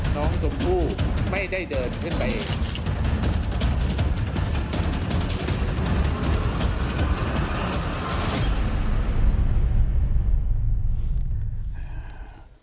น้องชมพู่ไม่ได้เดินขึ้นไปเอง